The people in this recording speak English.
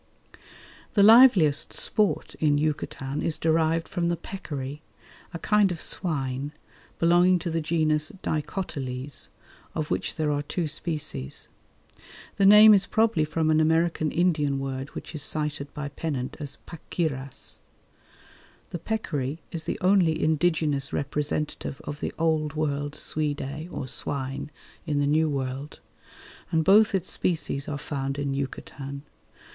The liveliest sport in Yucatan is derived from the peccary, a kind of swine, belonging to the genus Dicotyles, of which there are two species. The name is probably from an American Indian word which is cited by Pennant as paquiras. The peccary is the only indigenous representative of the Old World Suidæ or swine in the New World, and both its species are found in Yucatan _D.